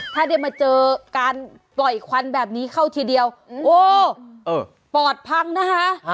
ถ้าได้มาเจอการปล่อยควันแบบนี้เข้าทีเดียวโอ้ปอดพังนะคะ